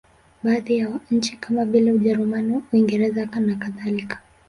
Baadhi ya nchi kama vile Ujerumani, Uingereza nakadhalika.